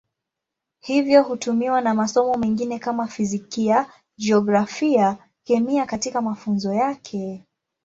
Hivyo hutumiwa na masomo mengine kama Fizikia, Jiografia, Kemia katika mafunzo yake.